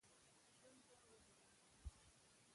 ژوند به وغوړېږي